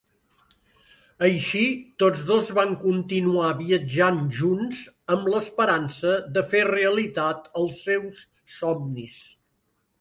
Així, tots dos van continuar viatjant junts amb l'esperança de fer realitat els seus somnis.